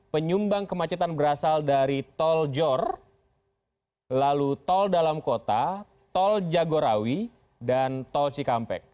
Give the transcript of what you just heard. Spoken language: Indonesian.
penyumbang kemacetan berasal dari tol jor lalu tol dalam kota tol jagorawi dan tol cikampek